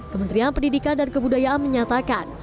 kementerian pendidikan dan kebudayaan menyatakan